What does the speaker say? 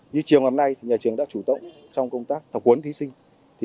như chiều ngày hôm nay nhà trường đã chủ động trong công tác tập huấn thí sinh